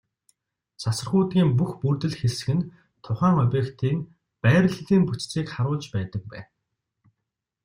Цацрагуудын бүх бүрдэл хэсэг нь тухайн объектын байрлалын бүтцийг харуулж байдаг байна.